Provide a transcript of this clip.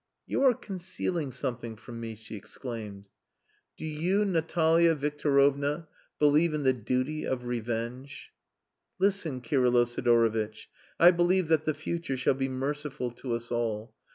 "You are concealing something from me," she exclaimed. "Do you, Natalia Victorovna, believe in the duty of revenge?" "Listen, Kirylo Sidorovitch. I believe that the future shall be merciful to us all.